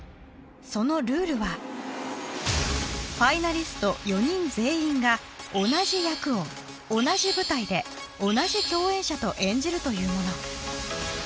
そのルールはファイナリスト４人全員が同じ役を同じ舞台で同じ共演者と演じるというもの